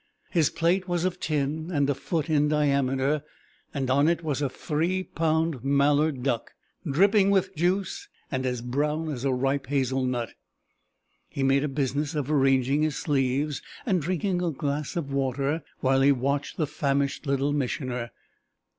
His plate was of tin and a foot in diameter, and on it was a three pound mallard duck, dripping with juice and as brown as a ripe hazel nut. He made a business of arranging his sleeves and drinking a glass of water while he watched the famished Little Missioner.